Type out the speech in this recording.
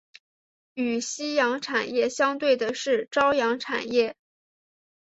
与夕阳产业相对的是朝阳产业。